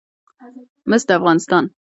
مس د افغانستان په ستراتیژیک اهمیت کې رول لري.